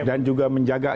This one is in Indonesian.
dan juga menjaga